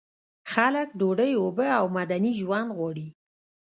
خلک ډوډۍ، اوبه او مدني ژوند غواړي.